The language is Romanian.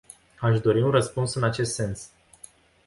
Aș dori un răspuns în acest sens.